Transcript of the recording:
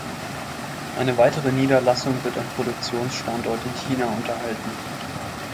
Eine weitere Niederlassung wird am Produktionsstandort in China unterhalten.